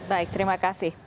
baik terima kasih